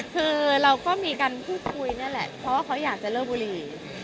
คือเราก็มีการพูดคุยนั่นแหละเพราะว่าเขาอยากจะเลิกบุรี